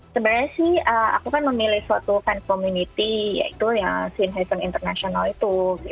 sebenarnya sih aku kan memilih suatu fan community yaitu shin hyesun international itu